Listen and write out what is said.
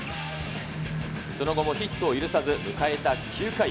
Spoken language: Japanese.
その後もヒットを許さず、迎えた９回。